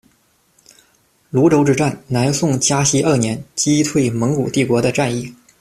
庐州之战，南宋嘉熙二年，击退蒙古帝国的战役。